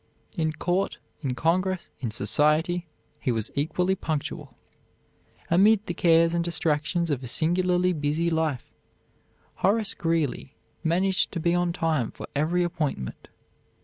In court, in congress, in society, he was equally punctual. Amid the cares and distractions of a singularly busy life, Horace Greeley managed to be on time for every appointment.